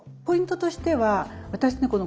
ポイントとしては私ね